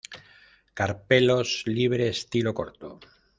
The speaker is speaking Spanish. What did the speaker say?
Carpelos libre, estilo corto.